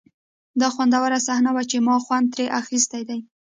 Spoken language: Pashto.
دا خوندوره صحنه وه چې ما خوند ترې اخیستی دی